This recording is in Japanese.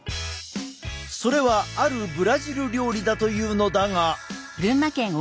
それはあるブラジル料理だというのだが。